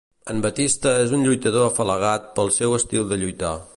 En Batista és un lluitador afalagat pel seu estil de lluitar.